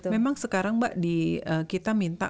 memang sekarang mbak kita minta